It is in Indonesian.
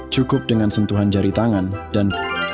cukup dengan sentuhan jari tangan dan